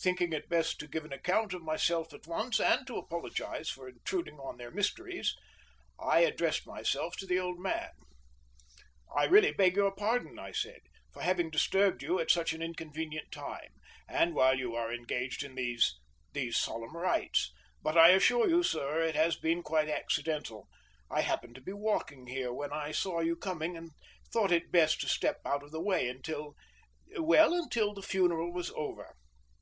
Thinking it best to give an account of myself at once, and to apologize for intruding on their mysteries, I addressed myself to the old man: "I really beg your pardon," I said, "for having disturbed you at such an inconvenient time, and while you are engaged in these these solemn rites; but I assure you, sir, it has been quite accidental. I happened to be walking here when I saw you coming, and thought it best to step out of the way until well, until the funeral was over.